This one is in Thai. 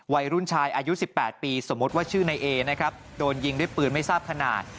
วัยรุ่นชายอายุ๑๘ปีสมมุติว่าชื่อนายเอนะครับโดนยิงด้วยปืนไม่ทราบขนาด